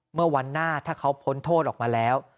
เมื่อวันหน้าถ้าเขาพ้นโทษออกมาแล้ว